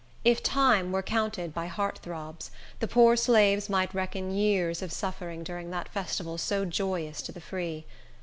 If time were counted by heart throbs, the poor slaves might reckon years of suffering during that festival so joyous to the free.